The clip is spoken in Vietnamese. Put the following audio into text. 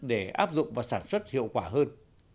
để áp dụng và sản xuất hiệu quả hơn